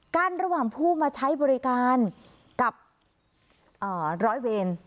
กันระหว่างผู้มาใช้บริการกับร้อยเวร